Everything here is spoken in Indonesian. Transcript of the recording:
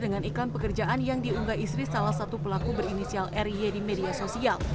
dengan iklan pekerjaan yang diunggah istri salah satu pelaku berinisial ry di media sosial